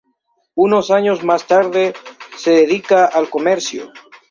Unos años más tarde, se dedica al comercio.